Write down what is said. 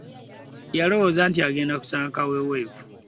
Yalowooza nti agenda kusanga kaweweevu .